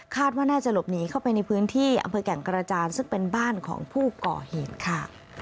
ว่าน่าจะหลบหนีเข้าไปในพื้นที่อำเภอแก่งกระจานซึ่งเป็นบ้านของผู้ก่อเหตุค่ะ